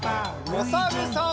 おさるさん。